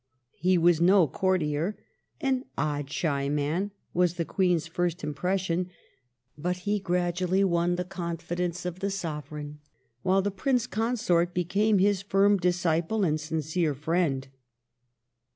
He was no courtier — an *' odd shy man " was the Queen's first impression — but he gradually won the confidence of the Sovereign, while the Prince Consort became his firm disciple and sincere friend.